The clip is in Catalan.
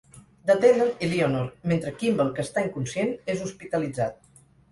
Detenen Eleanor, mentre Kimble, que està inconscient, és hospitalitzat.